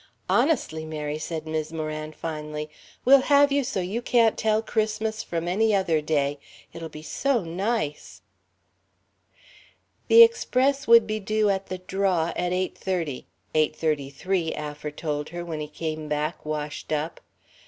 "Honestly, Mary," said Mis' Moran, finally, "we'll have you so you can't tell Christmas from any other day it'll be so nice!" The Express would be due at the "draw" at eight thirty eight thirty three, Affer told her when he came back, "washed up."